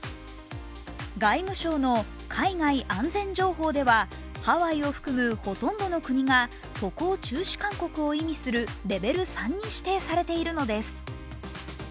外務省の海外安全情報ではハワイを含むほとんどの国が渡航中止勧告を意味するレベル３に指定されているのです。